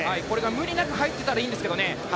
無理なく入れてたらいいんですけどね。